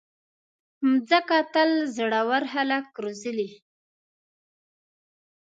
مځکه تل زړور خلک روزلي.